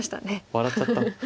笑っちゃった。